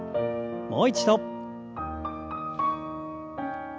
もう一度。